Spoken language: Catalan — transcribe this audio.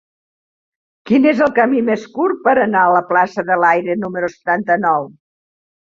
Quin és el camí més curt per anar a la plaça de l'Aire número setanta-nou?